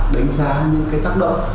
đánh giá những cái tác động